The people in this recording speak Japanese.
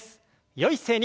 よい姿勢に。